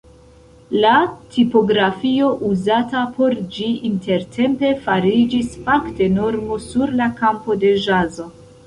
La tipografio uzata por ĝi intertempe fariĝis fakte normo sur la kampo de ĵazo.